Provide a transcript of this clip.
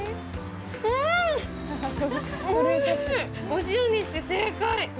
お塩にして正解。